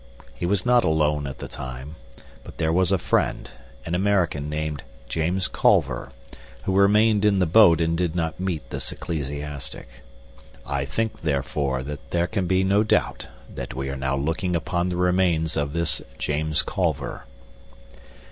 He was not alone at the time, but there was a friend, an American named James Colver, who remained in the boat and did not meet this ecclesiastic. I think, therefore, that there can be no doubt that we are now looking upon the remains of this James Colver."